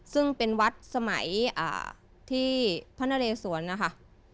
ซึ่งเป็นวัดสมัยที่พระนเรศวรนะคะ